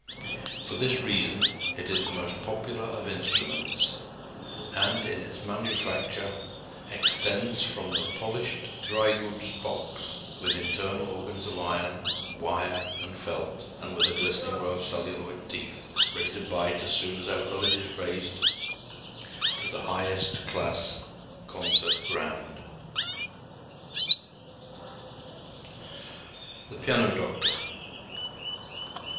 For this reason it is the most popular of instruments and, in its manufacture, extends from the polished dry goods box with internal organs of iron, wire and felt and with a glistening row of celluloid teeth ready to bite as soon as ever the lid is raised, to the highest class concert grand. The "Piano Doctor."